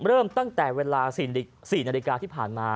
เริ่มตั้งแต่เวลา๔นาฬิกาที่ผ่านมา